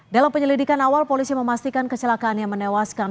dalam penyelidikan awal polisi memastikan kecelakaan yang menewaskan